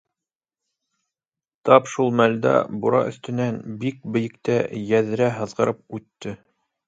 Тап шул мәлдә бура өҫтөнән бик бейектә йәҙрә һыҙғырып үтте.